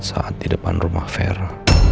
saat di depan rumah ver